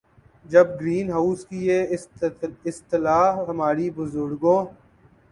جب green house کی یہ اصطلاح ہمارے بزرگوں